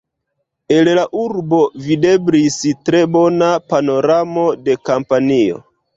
El la urbo videblis tre bona panoramo de Kampanio.